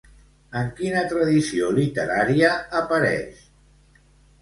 En quina tradició literària apareix?